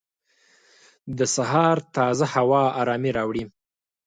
د سهار تازه هوا ارامۍ راوړي.